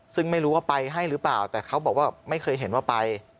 ซึ่งไม่รู้ว่าไปให้หรือเปล่าแต่เขาบอกว่าไม่เคยเห็นว่าไป